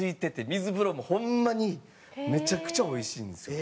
水風呂もホンマにめちゃくちゃおいしいんですよ。